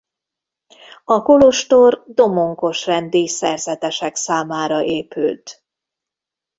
A kolostor Domonkos-rendi szerzetesek számára épült.